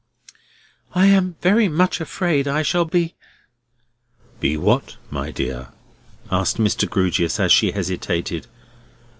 "I am very much afraid I shall be—" "Be what, my dear?" asked Mr. Grewgious, as she hesitated.